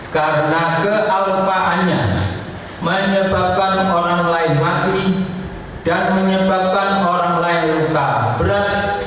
karena kealpaannya menyebabkan orang lain mati dan menyebabkan orang lain luka berat